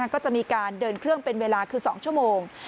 ก็จะมีการเดินเครื่องเป็นเวลาคือ๒ชั่วโมง